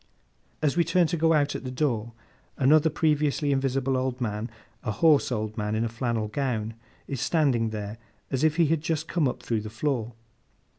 As we turn to go out at the door, another previously invisible old man, a hoarse old man in a flannel gown, is standing there, as if he had just come up through the floor.